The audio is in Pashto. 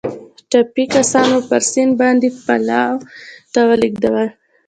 ټپي کسان مو پر سیند باندې پلاوا ته ولېږدول.